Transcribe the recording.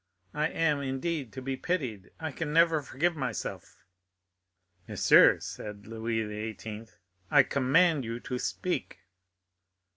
I am, indeed, to be pitied. I can never forgive myself!" "Monsieur," said Louis XVIII., "I command you to speak."